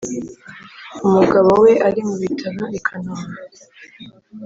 Umugabo we ari mu bitaro I Kanombe